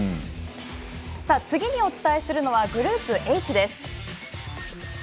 次にお伝えするのはグループＨです。